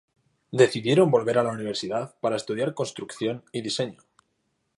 Decidieron volver a la universidad para estudiar construcción y diseño.